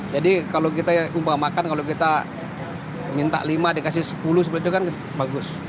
jadi kalau kita umpamakan kalau kita minta lima dikasih sepuluh seperti itu kan bagus